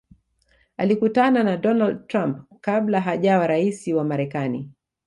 alikutana na donald trump kabla hajawa raisi wa marekani